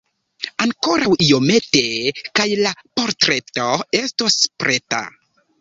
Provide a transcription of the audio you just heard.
Ankoraŭ iomete kaj la portreto estos preta.